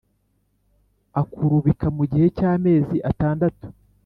akarubika mu gihe cy’amezi atandatu